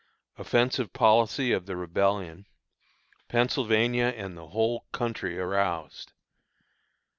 Offensive Policy of the Rebellion. Pennsylvania and the Whole Country Aroused.